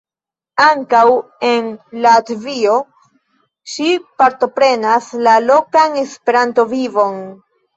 Ankaŭ en Latvio ŝi partoprenas la lokan Esperanto-vivon.